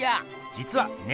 じつはね